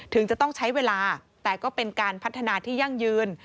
ถึงจะต้องใช้เวลาแต่ก็เป็นการพัฒนาที่ยั่งยืน